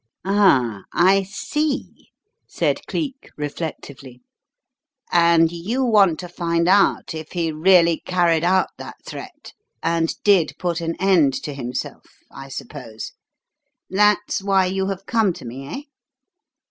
"Ah, I see!" said Cleek reflectively. "And you want to find out if he really carried out that threat and did put an end to himself, I suppose? That's why you have come to me, eh?